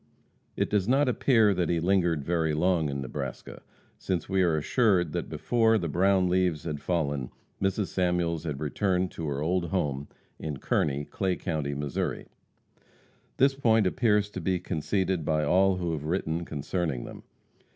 It does not appear that he lingered very long in Nebraska, since we are assured that before the brown leaves had fallen, Mrs. Samuels had returned to her old home near Kearney, Clay county, Missouri. This point appears to be conceded by all who have written concerning them.